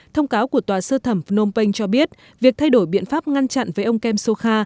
thông cáo của tòa sơ thẩm phnom penh cho biết việc thay đổi biện pháp ngăn chặn với ông kem sokha